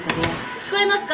聞こえますか？